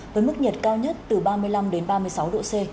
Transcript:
với mức nhiệt cao nhất từ ba mươi năm đến ba mươi sáu độ c